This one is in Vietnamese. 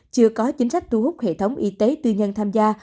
chưa có chính sách thu hút hệ thống y tế tư nhân tham gia